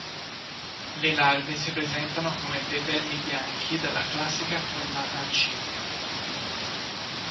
Le larve si presentano come dei vermi bianchi dalla classica forma a "C".